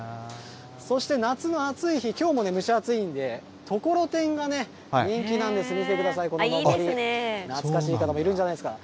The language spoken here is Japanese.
そして夏の暑い日、きょうもね、蒸し暑いんで、ところてんがね、人気なんです、見てください、こののぼり、懐かしい方もいるんじゃないですか。